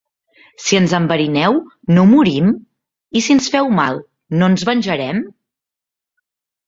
Si ens enverineu, no morim? I si ens feu mal, no ens venjarem?